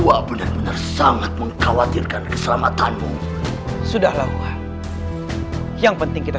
wah benar benar sangat mengkhawatirkan keselamatanmu sudah lakukan yang penting kita